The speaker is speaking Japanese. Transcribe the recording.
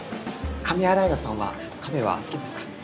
上新井田さんは亀は好きですか？